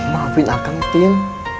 maafin akan tin